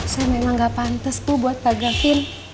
saya memang gak pantes bu buat pak gafin